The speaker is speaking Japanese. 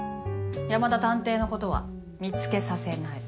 山田探偵のことは見つけさせない。